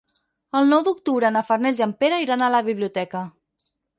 El nou d'octubre na Farners i en Pere iran a la biblioteca.